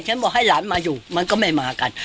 บอกให้หลานมาอยู่มันก็ไม่มากัน